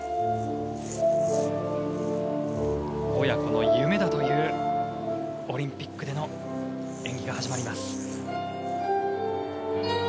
親子の夢だというオリンピックでの演技が始まります。